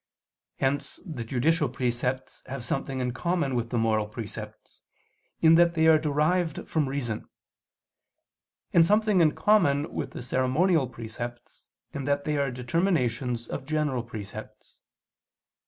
Hence the judicial precepts have something in common with the moral precepts, in that they are derived from reason; and something in common with the ceremonial precepts, in that they are determinations of general precepts.